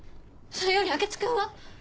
それより明智君は？